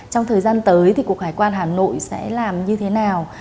trong thời gian tới thì cuộc hải quan hà nội sẽ làm như thế nào